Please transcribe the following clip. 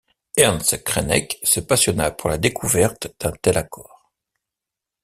Ernst Křenek se passionna pour la découverte d’un tel accord.